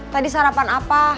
tadi sarapan apa